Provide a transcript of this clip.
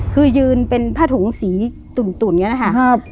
คือยืนเป็นผ้าถุงสีตุ่นอย่างนี้นะคะ